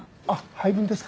配分ですか？